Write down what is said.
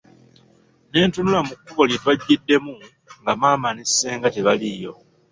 Ne ntunula mu kkubo lye twajjiddemu nga maama ne ssenga tebaliiyo.